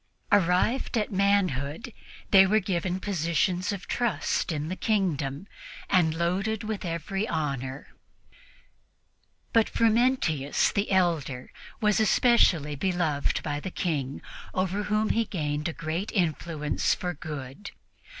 Arrived at manhood, they were given positions of trust in the kingdom and loaded with every honor. Frumentius, the elder, was especially beloved by the King, over whom he gained a great influence for good.